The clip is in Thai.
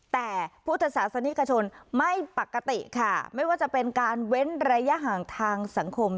แต่พุทธศาสนิกชนไม่ปกติค่ะไม่ว่าจะเป็นการเว้นระยะห่างทางสังคม